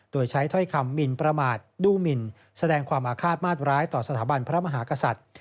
โดยใช้ถ้อยคำหมินประมาทดูหมินแสดงความอาฆาตมาตร้ายต่อสถาบันพระมหากษัตริย์